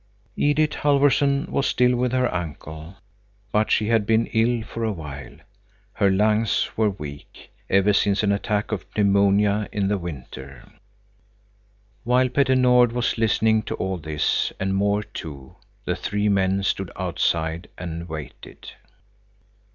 Edith Halfvorson was still with her uncle, but she had been ill for a while. Her lungs were weak, ever since an attack of pneumonia in the winter. While Petter Nord was listening to all this, and more too, the three men stood outside and waited.